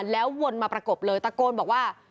แล้ววนมาประกบเลยตะโกนบอกว่า